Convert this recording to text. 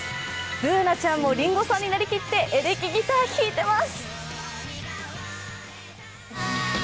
Ｂｏｏｎａちゃんも林檎さんになりきって、エレキギター弾いてます。